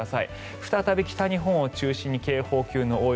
再び北日本を中心に警報級の大雪。